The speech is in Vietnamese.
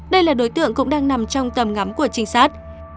đây là đối tượng cũng đang nằm trong tầm ngắm của trinh sát